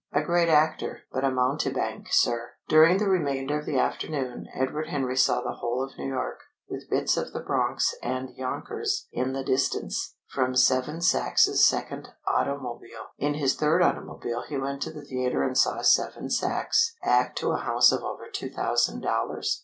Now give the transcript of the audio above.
"A great actor, but a mountebank, sir." During the remainder of the afternoon Edward Henry saw the whole of New York, with bits of the Bronx and Yonkers in the distance, from Seven Sach's second automobile. In his third automobile he went to the theatre and saw Seven Sachs act to a house of over two thousand dollars.